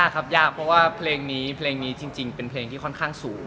ยากครับยากเพราะว่าเพลงนี้เป็นเพลงที่ค่อนข้างสูง